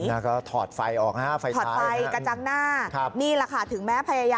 แล้วก็ถอดไฟออกฮะไฟท้าย